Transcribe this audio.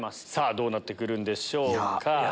どうなってくるんでしょうか？